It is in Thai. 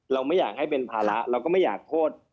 เราไม่อยากให้เป็นภาระเราก็ไม่อยากโทษ